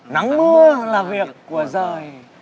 nắng mưa là việc của rời